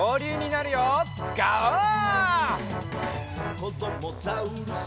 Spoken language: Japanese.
「こどもザウルス